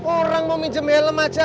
orang mau minjem helm aja